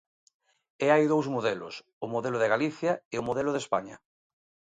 E hai dous modelos: o modelo de Galicia e o modelo de España.